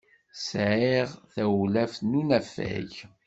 Sɛiɣ tawlaft n unafag.